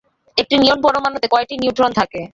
একটি নিয়ন পরমাণুতে কয়টি নিউট্রন থাকে?